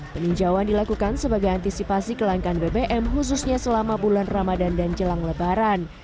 peninjauan dilakukan sebagai antisipasi kelangkaan bbm khususnya selama bulan ramadan dan jelang lebaran